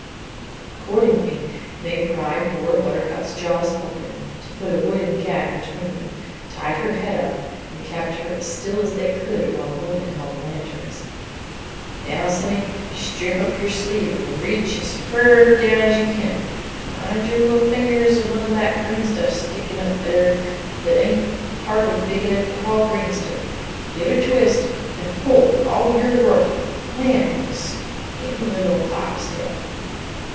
Accordingly they pried poor Buttercup's jaws open to put a wooden gag between them, tied her head up, and kept her as still as they could while the women held the lanterns. "Now, sonny, strip up your sleeve and reach as fur down's you can! Wind your little fingers in among that green stuff stickin' up there that ain't hardly big enough to call green stuff, give it a twist, and pull for all you're worth. Land! What a skinny little pipe stem!"